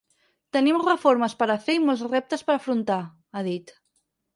Tenim reformes per a fer i molts reptes per a afrontar, ha dit.